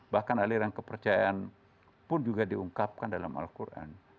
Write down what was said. bahkan aliran kepercayaan pun juga diungkapkan dalam al quran